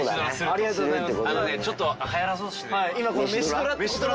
ありがとうございます。